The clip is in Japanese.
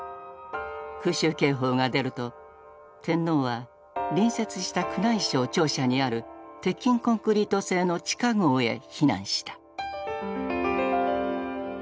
空襲警報が出ると天皇は隣接した宮内省庁舎にある鉄筋コンクリート製の地下壕へ避難した。